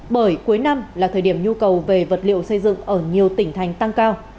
bởi cuối năm là thời điểm nhu cầu về vật liệu xây dựng ở nhiều tỉnh thành tăng cao